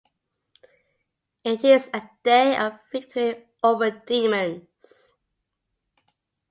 It is "a day of Victory over Demons".